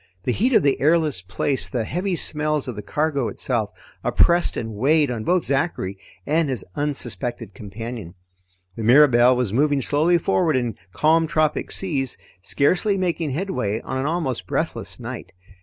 The heat of the airless place, the heavy smells of the cargo itself, oppressed and weighed on both Zachary and his unsuspected companion. The Mirabelle was moving slowly forward in calm tropic seas, scarcely making headway on an almost breathless night.